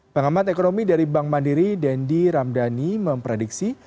pengamat ekonomi dari bank mandiri dendi ramdhani memprediksi